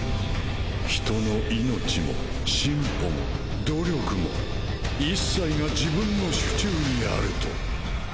「人の命も進歩も努力も一切が自分の手中にある」と。